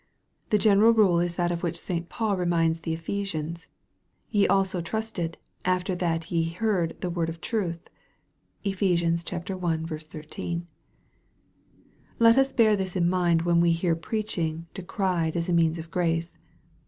The general rule is that of which St. Paul reminds the Ephesians, " ye also trusted, after that ye heard the word of truth/' (Eph. i. 13.) Let us bear this in mind when we hear preaching decried as a means of grace.